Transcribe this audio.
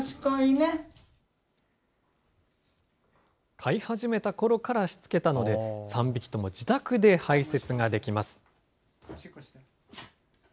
飼い始めたころからしつけたので、３匹とも自宅で排せつができます。